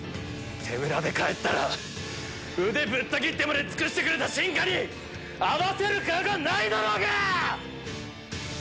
「手ぶらで帰ったら腕ぶった斬ってまで尽くしてくれた臣下に合わせる顔が無いだろうが‼」。